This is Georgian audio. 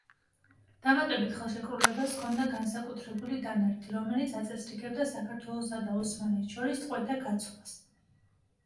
დამატებით ხელშეკრულებას ჰქონდა განსაკუთრებული დანართი, რომელიც აწესრიგებდა საქართველოსა და ოსმალეთს შორის ტყვეთა გაცვლას.